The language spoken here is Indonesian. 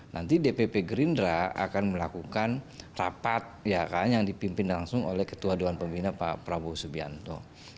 nanti dpp gerindra akan melakukan rapat yang dipimpin langsung oleh ketua dewan pembina pak prabowo subianto